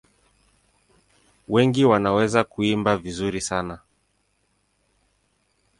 Wengi wanaweza kuimba vizuri sana.